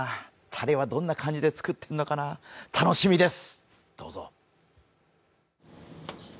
たれはどんな感じで作ってんのかな、楽しみです。